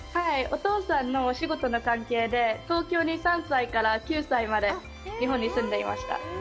お父さんのお仕事の関係で、東京に３歳から９歳まで日本に住んでいました。